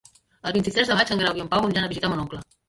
El vint-i-tres de maig en Grau i en Pau iran a visitar mon oncle.